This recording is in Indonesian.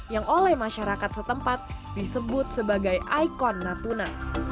yang oleh masyarakat setempat disebut sebagai ikon natuna